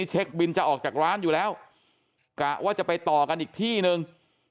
เช็คบินจะออกจากร้านอยู่แล้วกะว่าจะไปต่อกันอีกที่หนึ่ง